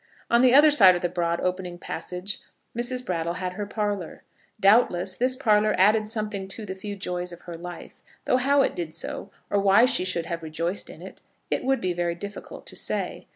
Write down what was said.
On the other side of the broad opening passage Mrs. Brattle had her parlour. Doubtless this parlour added something to the few joys of her life; though how it did so, or why she should have rejoiced in it, it would be very difficult to say.